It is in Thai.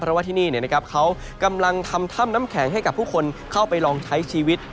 เพราะว่าที่นี่เขากำลังทำถ้ำน้ำแข็งให้กับผู้คนเข้าไปลองใช้ชีวิต